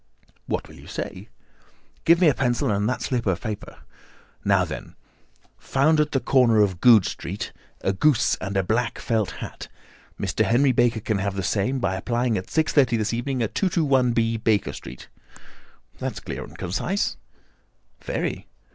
"What will you say?" "Give me a pencil and that slip of paper. Now, then: 'Found at the corner of Goodge Street, a goose and a black felt hat. Mr. Henry Baker can have the same by applying at 6:30 this evening at 221B, Baker Street.' That is clear and concise." "Very.